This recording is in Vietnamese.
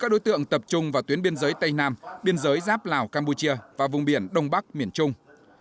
đối tượng tập trung vào tuyến biên giới tây nam biên giới giáp lào cambodia và vùng biển đông bắc mỉa trung